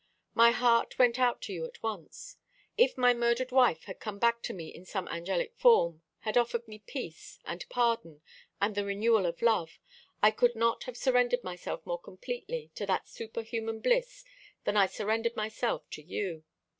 My heart went out to you at once. If my murdered wife had come back to me in some angelic form, had offered me peace, and pardon, and the renewal of love, I could not have surrendered myself more completely to that superhuman bliss than I surrendered myself to you.